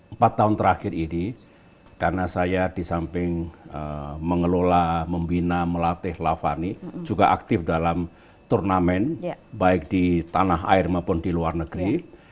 empat tahun terakhir ini karena saya di samping mengelola membina melatih lavani juga aktif dalam turnamen baik di tanah air maupun di luar negeri